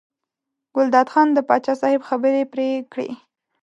ګلداد خان د پاچا صاحب خبرې پرې کړې.